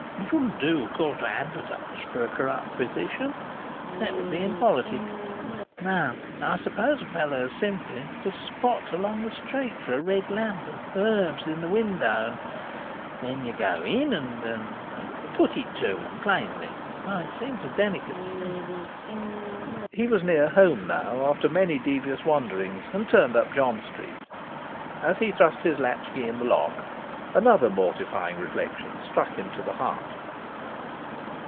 It wouldn't do, of course, to advertise for a corrupt physician; that would be impolitic. No, I suppose a fellow has simply to spot along the streets for a red lamp and herbs in the window, and then you go in and and and put it to him plainly; though it seems a delicate step.' He was near home now, after many devious wanderings, and turned up John Street. As he thrust his latchkey in the lock, another mortifying reflection struck him to the heart.